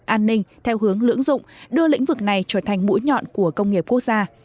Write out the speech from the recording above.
an ninh theo hướng lưỡng dụng đưa lĩnh vực này trở thành mũi nhọn của công nghiệp quốc gia